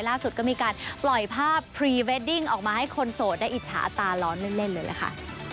ล่าสุดก็มีการปล่อยภาพพรีเวดดิ้งออกมาให้คนโสดได้อิจฉาตาร้อนเล่นเลยล่ะค่ะ